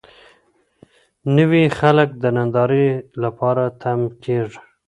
نوي خلک د نندارې لپاره تم کېږي.